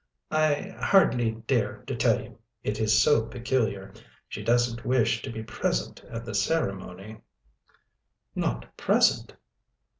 "I hardly dare to tell you it is so peculiar. She doesn't wish to be present at the ceremony." "Not present?"